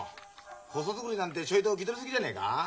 細造りなんてちょいと気取り過ぎじゃねえか？